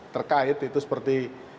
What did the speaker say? terkait itu seperti